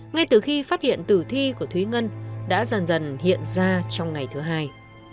ngay từ khi phát hiện tử thi của thúy ngân đã dần dần hiện ra trong ngày thứ hai